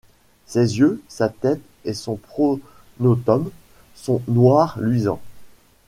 Ses yeux, sa tête et son pronotum sont noir luisant.